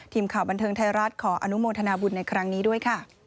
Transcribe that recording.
ทีมข่าวบันเทิงไทยรัฐขออนุโมทนาบุญในครั้งนี้ด้วยค่ะ